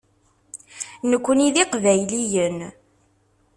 Nekkni d Iqbayliyen.